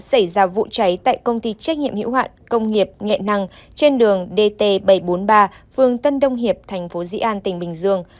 xảy ra vụ cháy tại công ty trách nhiệm hiệu hoạn công nghiệp nghệ năng trên đường dt bảy trăm bốn mươi ba phương tân đông hiệp thành phố dĩ an tỉnh bình dương